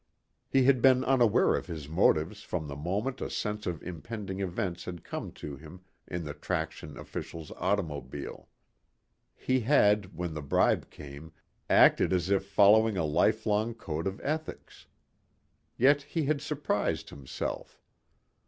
He had been unaware of his motives from the moment a sense of impending events had come to him in the traction official's automobile. He had, when the bribe came, acted as if following a lifelong code of ethics. Yet he had surprised himself.